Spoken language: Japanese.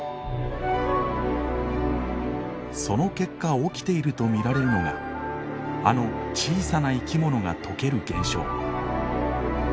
その結果起きていると見られるのがあの小さな生き物が溶ける現象。